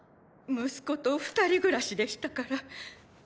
息子と二人暮らしでしたから。